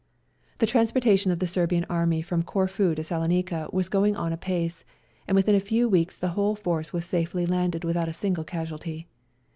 The transportation of the Serbian Army from Corfu to Salonica was going on apace, and within a few weeks the whole force w^as safely landed without a single casualty.